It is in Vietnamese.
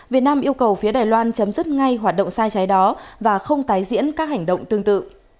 việt nam yêu cầu phía đài loan chấm dứt ngay hoạt động sai trái đó và không tái diễn các hành động tương tự